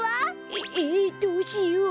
えっえどうしよう！？